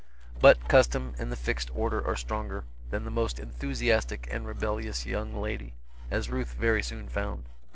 But custom and the fixed order are stronger than the most enthusiastic and rebellious young lady, as Ruth very soon found.